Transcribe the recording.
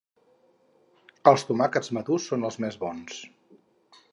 Els tomàquets madurs són els més bons.